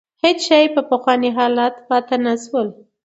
هېڅ څېز په پخواني حالت پاتې نه شول.